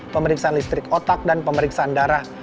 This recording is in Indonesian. pemeriksaan listrik otak dan pemeriksaan darah